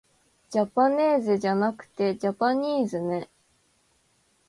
じゃぱねーぜじゃなくてじゃぱにーずね